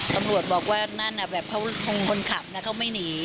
สมรวจบอกว่านั่นเขาคนขับน่ะเขาไม่หนี